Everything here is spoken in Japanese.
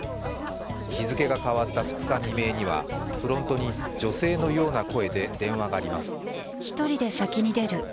日付が変わった２日未明にはフロントに女性のような声で電話があります。